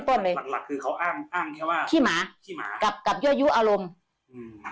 ตัวหลักคือเขาอ้างนี่ว่าขี้หมากับย่อยยู้อารมณ์